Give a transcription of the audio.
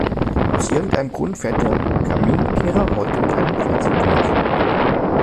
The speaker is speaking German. Aus irgendeinem Grund fährt der Kaminkehrer heute mit einem Vierzigtonner vor.